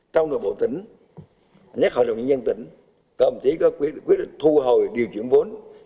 trong đội bộ tỉnh nhắc hội đồng dân tỉnh công ty có quyết định thu hồi điều chuyển vốn